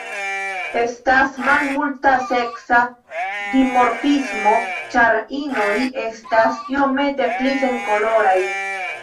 Estas malmulta seksa dimorfismo, ĉar inoj estas iomete pli senkoloraj.